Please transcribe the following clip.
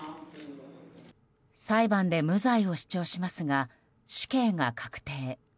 裁判で無罪を主張しますが死刑が確定。